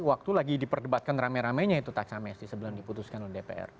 waktu lagi diperdebatkan rame ramenya itu tax amnesti sebelum diputuskan oleh dpr